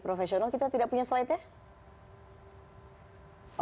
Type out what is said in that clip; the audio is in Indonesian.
profesional kita tidak punya slide nya